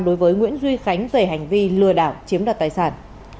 đối với nguyễn duy khánh về hành vi lừa đảo chiếm đoạt tài sản